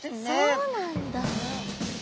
そうなんだ。